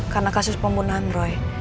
karena kasus pembunuhan roy